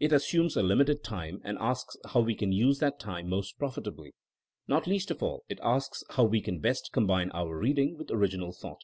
It assumes a limited time and asks how we can use that time most profitably. Not least of all, it asks how we can best com bine our reading with original thought.